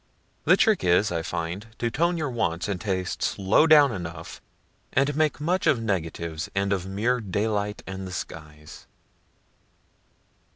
(The trick is, I find, to tone your wants and tastes low down enough, and make much of negatives, and of mere daylight and the skies.)